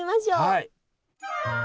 はい。